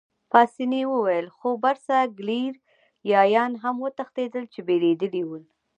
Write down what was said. پاسیني وویل: خو برساګلیریایان هم وتښتېدل، چې بېرېدلي ول.